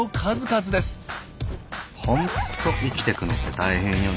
ほんっと生きてくのって大変よね。